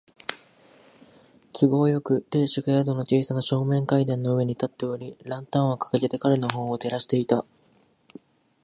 都合よく、亭主が宿の小さな正面階段の上に立っており、ランタンをかかげて彼のほうを照らしていた。